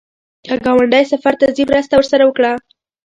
که ګاونډی سفر ته ځي، مرسته ورسره وکړه